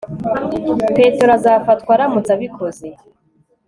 petero azafatwa aramutse abikoze